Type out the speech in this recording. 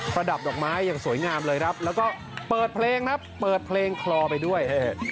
ระดับดอกไม้อย่างสวยงามเลยครับแล้วก็เปิดเพลงครับเปิดเพลงคลอไปด้วย